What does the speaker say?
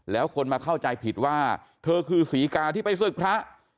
แล้วคนมาเข้าใจผิดว่าเธอคือศรีกาที่ไปศึกพระ